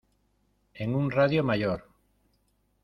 en un radio mayor.